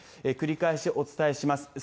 繰り返しお伝えします。